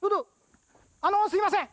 あのすみません